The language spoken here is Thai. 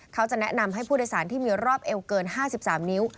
เขาจะแนะนำให้ผู้โดยสารที่มีรอบเอวเกิน๕๓นิ้ว